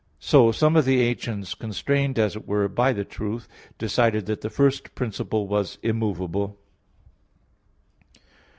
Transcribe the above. So, some of the ancients, constrained, as it were, by the truth, decided that the first principle was immovable.